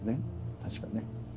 確かね。